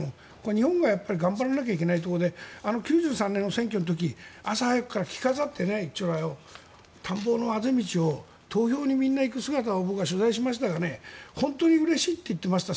日本が頑張らなきゃいけないところで９３年の選挙の時朝早くから一張羅で着飾って田んぼのあぜ道を投票に行く姿を僕、取材しましたが本当にうれしいと言っていました。